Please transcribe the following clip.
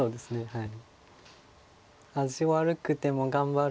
はい。